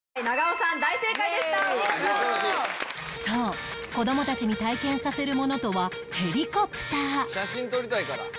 そう子どもたちに体験させるものとはヘリコプター